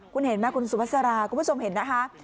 คุณเห็นไหมคุณสุภาษาราคุณผู้ชมเห็นนะคะ